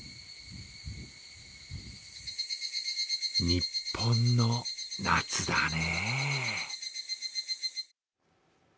日本の夏だね。